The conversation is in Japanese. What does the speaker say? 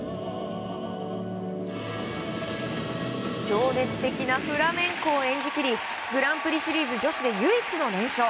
情熱的なフラメンコを演じ切りグランプリシリーズ女子で唯一の連勝。